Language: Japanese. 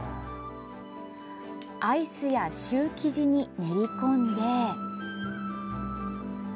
アイスやシュー生地に練り込んで。